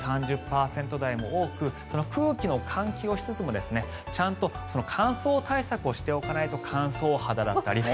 ３０％台も多く空気の換気をしつつもちゃんと乾燥対策をしておかないと乾燥肌だったり。